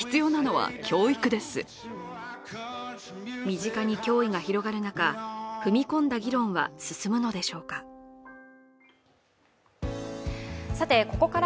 身近に脅威が広がる中、踏み込んだ議論は進むのでしょうか。